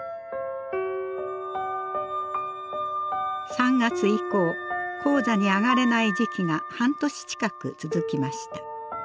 ３月以降高座に上がれない時期が半年近く続きました。